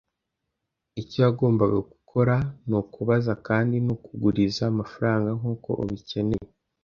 Icyo wagombaga gukora nukubaza kandi nakuguriza amafaranga nkuko ubikeneye.